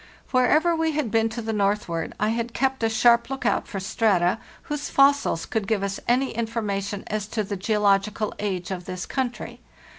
Wherever we had been to the northward I had kept a sharp lookout for strata whose fossils could give us any information as to the geological age of this country.